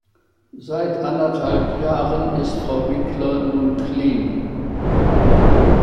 Seit anderthalb Jahren ist Frau Winkler nun clean.